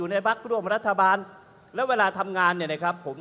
คุณจิลายุเขาบอกว่ามันควรทำงานร่วมกัน